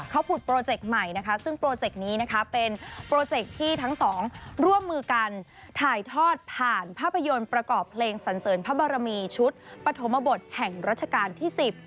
เขาผุดโปรเจกต์ใหม่นะคะซึ่งโปรเจกต์นี้นะคะเป็นโปรเจคที่ทั้งสองร่วมมือกันถ่ายทอดผ่านภาพยนตร์ประกอบเพลงสันเสริญพระบรมีชุดปฐมบทแห่งรัชกาลที่๑๐